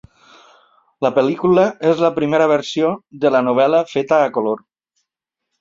La pel·lícula és la primera versió de la novel·la feta a color.